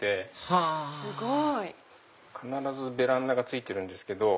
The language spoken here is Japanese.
はぁ必ずベランダがついてるんですけど。